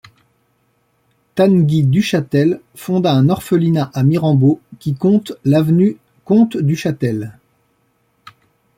Tanneguy Duchatel fonda un orphelinat à Mirambeau, qui compte l'avenue Comtes Duchatel.